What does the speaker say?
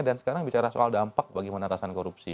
dan sekarang bicara soal dampak bagi penatasan korupsi